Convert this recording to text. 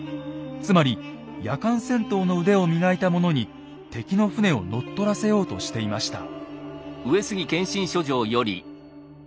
つまり夜間戦闘の腕を磨いた者に敵の船を乗っ取らせようとしていました。